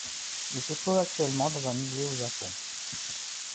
Il se trouve actuellement dans un musée au Japon.